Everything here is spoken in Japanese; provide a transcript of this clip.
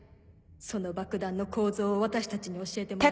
その爆弾の構造を私たちに教えてもらいたい。